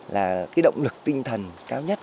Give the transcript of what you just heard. là động lực tinh thần cao nhất